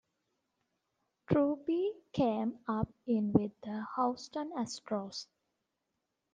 Truby came up in with the Houston Astros.